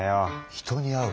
人に会う。